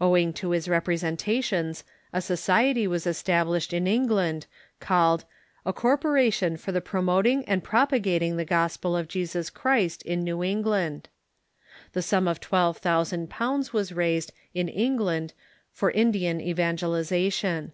Owing to his representations a society was established in England, called " A Corporation for the Promoting and Propagating the Gos pel of Jesus Christ in New England." The sum of twelve thousand pounds was raised in England for Indian evangeli zation.